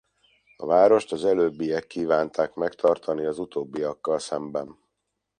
A várost az előbbiek kívánták megtartani az utóbbiakkal szemben.